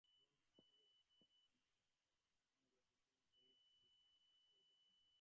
তখন তাহার নিজের সাজসজ্জা তাহাকে সর্বাঙ্গে বেষ্টন করিয়া পরিহাস করিতে লাগিল।